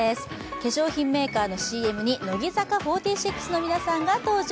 化粧品メーカーのＣＭに乃木坂４６の皆さんが登場。